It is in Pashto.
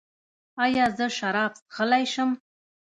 ایا زه شراب څښلی شم؟